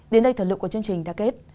đến đây thật lượng của chương trình đã kết